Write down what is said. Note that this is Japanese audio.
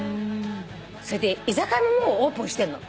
それで居酒屋ももうオープンしてるの。